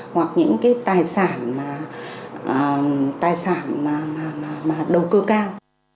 hoặc những tài sản đầu cơ cao